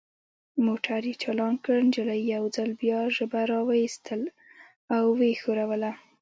موټر یې چالان کړ، نجلۍ یو ځل بیا ژبه را وایستل او ویې ښوروله.